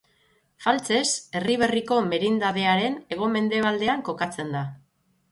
Faltzes Erriberriko merindadearen hego-mendebaldean kokatzen da.